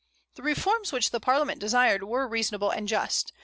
The reforms which the Parliament desired were reasonable and just.